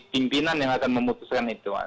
pimpinan yang akan memutuskan itu